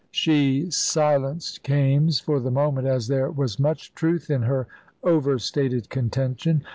She silenced Kaimes for the moment, as there was much truth in her overstated contention.